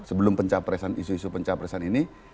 sebelum pencapresan isu isu pencapresan ini